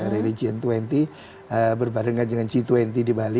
religion dua puluh berbarengan dengan g dua puluh di bali